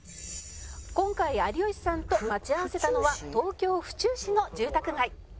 「今回有吉さんと待ち合わせたのは東京府中市の住宅街」